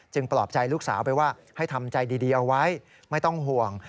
ปลอบใจลูกสาวไปว่าให้ทำใจดีเอาไว้ไม่ต้องห่วง